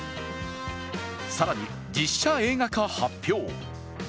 更に、実写映画化発表。